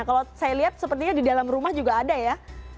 kalau saya lihat sepertinya di dalam rumah juga ada ya